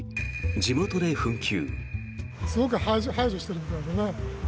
地元で紛糾。